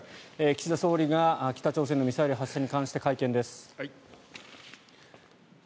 岸田総理が北朝鮮のミサイル発射に関して会見です。